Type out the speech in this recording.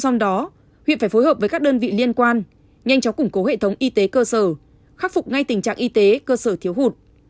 nhanh quan nhanh chóng củng cố hệ thống y tế cơ sở khắc phục ngay tình trạng y tế cơ sở thiếu hụt